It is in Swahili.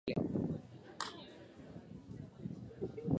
Mate yanidondoka, kwa mnukio wa wale,